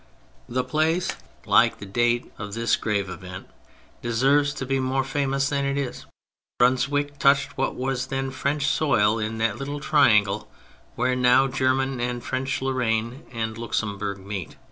The place, like the date, of this grave event, deserves to be more famous than it is. Brunswick touched what was then French soil, in that little triangle where now German and French Lorraine and Luxembourg meet.